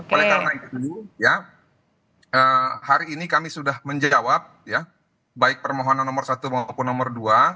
oleh karena itu ya hari ini kami sudah menjawab ya baik permohonan nomor satu maupun nomor dua